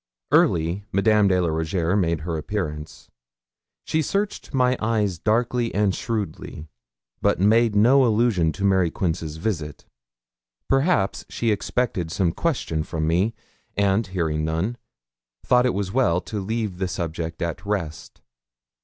Early, Madame de la Rougierre made her appearance; she searched my eyes darkly and shrewdly, but made no allusion to Mary Quince's visit. Perhaps she expected some question from me, and, hearing none, thought it as well to leave the subject at rest.